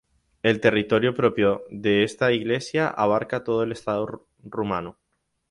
El territorio propio de esta Iglesia abarca todo el Estado rumano.